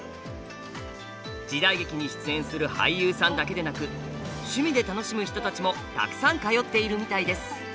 時代劇に出演する俳優さんだけでなく趣味で楽しむ人たちもたくさん通っているみたいです。